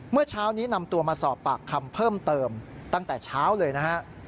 เมื่อเช้านี้นำตัวมาสอบปากคำเพิ่มเติมตั้งแต่เช้าเลยนะฮะ